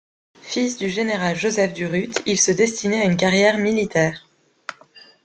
Fils du général Joseph Durutte, il se destinait à une carrière militaire.